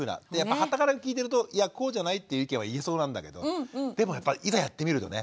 はたから聞いてるといやこうじゃない？っていう意見は言えそうなんだけどでもやっぱりいざやってみるとね